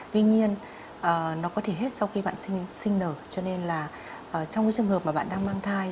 tuy nhiên nó có thể hết sau khi bạn sinh nở cho nên là trong cái trường hợp mà bạn đang mang thai